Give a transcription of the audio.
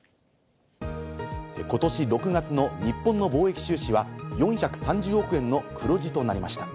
ことし６月の日本の貿易収支は４３０億円の黒字となりました。